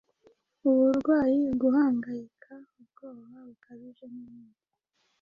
uburwayi, uguhangayika, ubwoba bukabije n’ibindi.